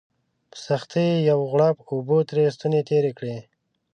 په سختۍ یې یو غوړپ اوبه تر ستوني تېري کړې